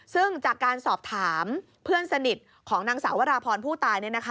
ซึ่งจากการสอบถามเพื่อนสนิทของนางสาววราพรผู้ตาย